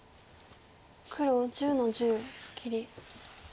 黒１０の十切り。